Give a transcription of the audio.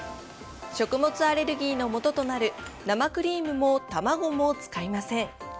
食物アレルギーのもととなる生クリームも卵も使いません。